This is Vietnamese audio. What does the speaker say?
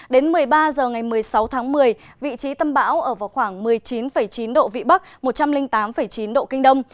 đến một mươi ba h ngày một mươi sáu tháng một mươi vị trí tâm bão ở vào khoảng một mươi chín chín độ vĩ bắc một trăm linh tám chín độ kinh đông